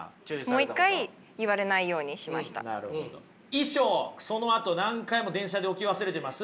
衣装そのあと何回も電車で置き忘れてます？